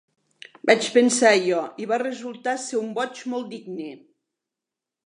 Vaig pensar jo, i va resultar ser un boig molt digne.